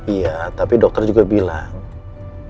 iya tapi dokter juga bilang